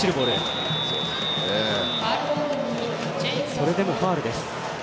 それでもファウルです。